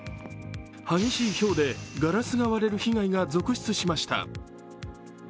激しいひょうでガラスが割れる被害が続出しました。